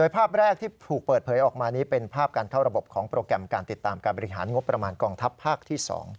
ภาพแรกที่ถูกเปิดเผยออกมานี้เป็นภาพการเข้าระบบของโปรแกรมการติดตามการบริหารงบประมาณกองทัพภาคที่๒